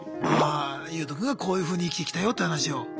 ああユウトくんがこういうふうに生きてきたよって話を？